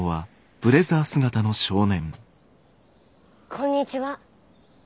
こんにちは。